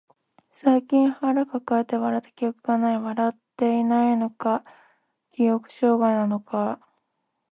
最近腹抱えて笑った記憶がない。笑っていないのか、記憶障害なのか。